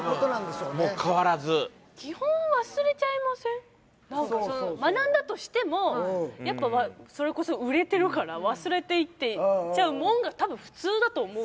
たぶんもう変わらず何かその学んだとしてもやっぱそれこそ売れてるから忘れていっていっちゃうもんがたぶん普通だと思うんですよ